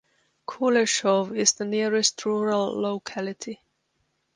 Kuleshov is the nearest rural locality.